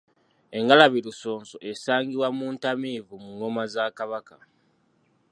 Engalabi lusonso esangibwa muntamivu mu ngoma za Kabaka.